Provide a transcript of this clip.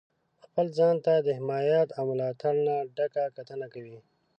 خپل ځان ته د حمایت او ملاتړ نه ډکه کتنه کوئ.